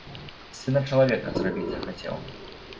З сына чалавека зрабіць захацеў.